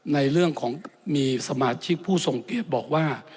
ในเรื่องของมีสมาชิกผู้ทรงเกียจบอกว่า